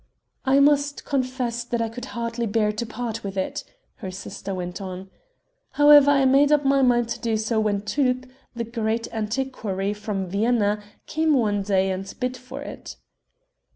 "I must confess that I could hardly bear to part with it," her sister went on. "However, I made up my mind to do so when Tulpe, the great antiquary from Vienna, came one day and bid for it."